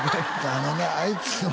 あのなあいつも